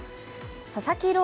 佐々木朗